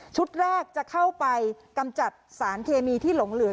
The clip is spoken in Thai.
แรกจะเข้าไปกำจัดสารเคมีที่หลงเหลือ